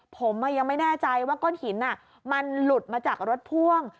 ผมยังไม่แน่ใจว่าก้นหินมันหลุดมาจากรถพ่วง